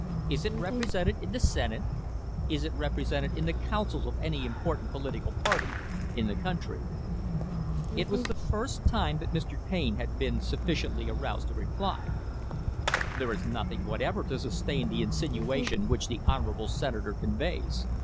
Is it represented in the Senate? Is it repre sented in the councils of any important political party in the country?" It was the first time that Mr. Payne had been sufficiently aroused to reply. "There is nothing whatever to sustain the insinuation which the honourable Senator conveys.